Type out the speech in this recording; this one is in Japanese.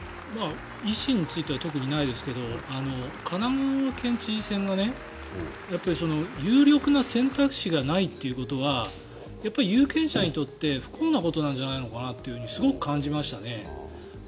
維新については特にないですけど神奈川県知事選は有力な選択肢がないっていうことはやっぱり有権者にとって不幸なことなんじゃないかとすごく感じましたね。